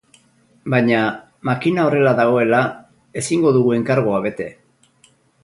Baina, makina horrela dagoela, ezingo dugu enkargua bete.